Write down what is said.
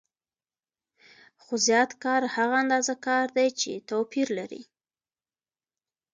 خو زیات کار هغه اندازه کار دی چې توپیر لري